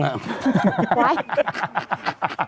อะไร